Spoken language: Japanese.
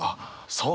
そう。